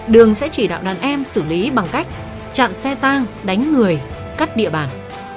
đường sẽ chỉ đạo đàn em xử lý bằng cách chặn xe tang đánh người cắt địa bàn